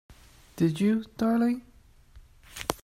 Did you, darling?